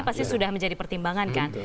pasti sudah menjadi pertimbangan kan